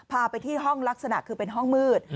พาไปที่ห้องลักษณะคือเป็นห้องมืด